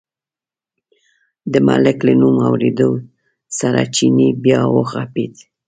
د ملک له نوم اورېدو سره چیني بیا و غپېد.